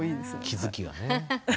気付きがね。